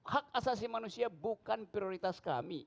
hak asasi manusia bukan prioritas kami